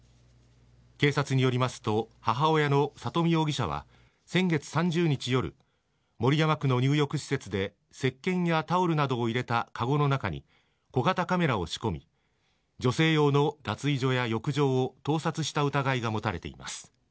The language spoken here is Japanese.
警察によりますと母親の佐登美容疑者は先月３０日夜守山区の入浴施設でせっけんやタオルなどを入れたかごの中に小型カメラを仕込み女性用の脱衣所や浴場を盗撮した疑いが持たれています。